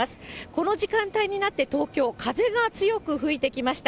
この時間帯になって東京、風が強く吹いてきました。